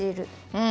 うん！